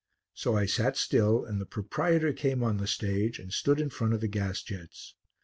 So I sat still, and the proprietor came on the stage and stood in front of the gas jets.